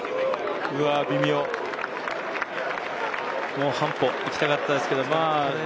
もう半歩いきたかったですけど。